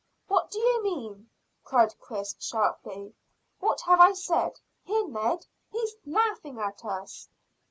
"What do you mean?" cried Chris sharply. "What have I said? Here, Ned, he's laughing at us."